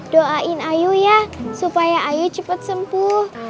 doain ayu ya supaya ayu cepat sembuh